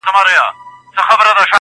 چي هر مړی ښخېدی همدا کیسه وه-